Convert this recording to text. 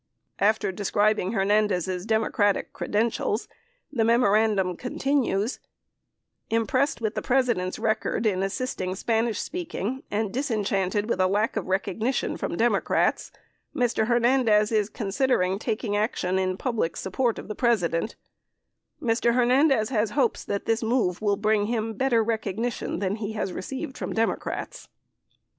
After describing Hernandez' Demo cratic credentials, the memorandum continues: Impressed with the President's record in assisting Spanish speaking and disenchanted with a lack of recognition from Democrats, Mr. Hernandez is considering taking action in public support of the President Mr. Hernandez has hopes that this move will bring him better recognition than he has received from Democrats.